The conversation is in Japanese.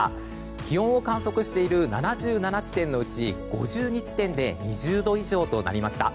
気温を観測している７７地点のうち５２地点で２０度以上となりました。